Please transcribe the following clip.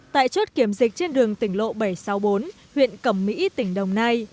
tại chốt kiểm dịch trên đường tỉnh lộ bảy trăm sáu mươi bốn huyện cẩm mỹ tỉnh đồng nai